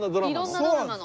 色んなドラマの。